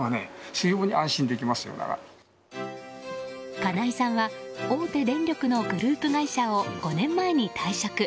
金井さんは大手電力のグループ会社を５年前に退職。